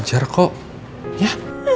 siapa mengatakan omnya